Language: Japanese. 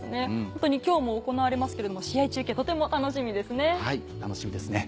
ホントに今日も行われますけれども試合中継とても楽しみですね。